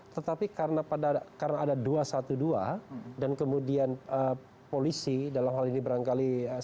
tetapi karena ada dua satu dua dan kemudian polisi dalam hal ini berangkali sempat